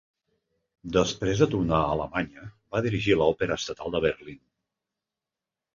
Després de tornar a Alemanya, va dirigir l'Òpera estatal de Berlín.